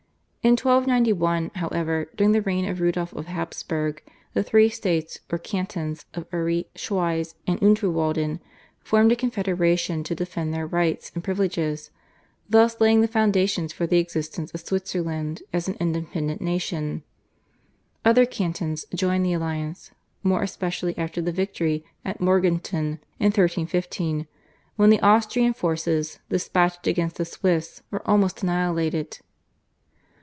In 1291, however, during the reign of Rudolph of Habsburg, the three states or cantons of Uri, Schweiz, and Unterwalden, formed a confederation to defend their rights and privileges, thus laying the foundation for the existence of Switzerland as an independent nation. Other cantons joined the alliance, more especially after the victory at Morgarten in 1315, when the Austrian forces despatched against the Swiss were almost annihilated.